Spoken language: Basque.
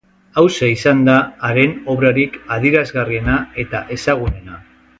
Hauxe izan da haren obrarik adierazgarriena eta ezagunena.